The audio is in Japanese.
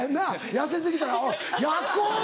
痩せてきたら「おいやっこ！」。